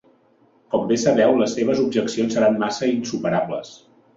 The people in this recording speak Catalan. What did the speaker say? Com bé sabeu, les seves objeccions seran massa insuperables.